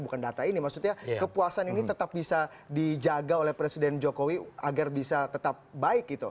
bukan data ini maksudnya kepuasan ini tetap bisa dijaga oleh presiden jokowi agar bisa tetap baik gitu